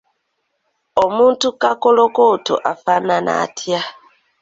Omuntu Kakolokooto afaanana atya?